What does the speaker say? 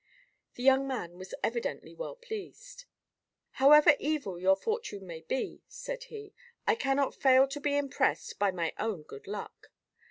The young man was evidently well pleased. "However evil your fortune may be," said he, "I cannot fail to be impressed by my own good luck.